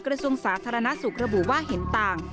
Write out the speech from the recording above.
กระทรวงสาธารณสุขระบุว่าเห็นต่าง